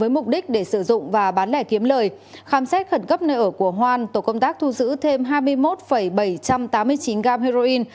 với mục đích để sử dụng và bán lẻ kiếm lời khám xét khẩn cấp nơi ở của hoan tổ công tác thu giữ thêm hai mươi một bảy trăm tám mươi chín gam heroin